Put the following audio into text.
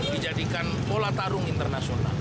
dijadikan pola tarung internasional